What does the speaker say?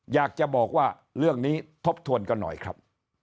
อยากจะบอกว่าเรื่องนี้ทบทวนกันหน่อยครับ